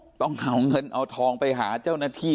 ต้องเอาเงินเอาทองไปหาเจ้าหน้าที่